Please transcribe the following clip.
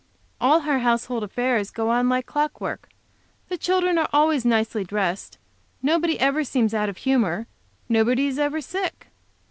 All her household affairs go on like clock work; the children are always nicely dressed; nobody ever seems out of humor; nobody is ever sick.